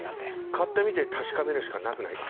買ってみて確かめるしかなくないか？